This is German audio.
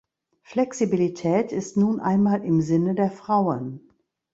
Flexibilität ist nun einmal im Sinne der Frauen.